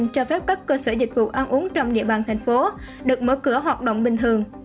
cho phép các cơ sở dịch vụ ăn uống trong địa bàn thành phố được mở cửa hoạt động bình thường